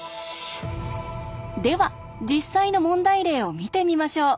では実際の問題例を見てみましょう。